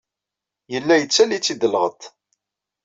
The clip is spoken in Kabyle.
Yella yettaley-itt-id lɣeṭṭ.